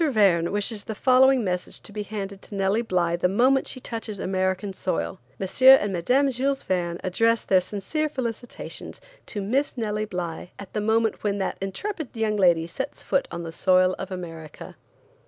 Verne wishes the following message to be handed to Nellie Bly the moment she touches American soil: M. and Mme. Jules Verne address their sincere felicitations to Miss Nellie Bly at the moment when that intrepid young lady sets foot on the soil of America."